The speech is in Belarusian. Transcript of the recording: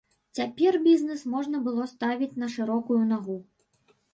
Цяпер бізнес можна было ставіць на шырокую нагу.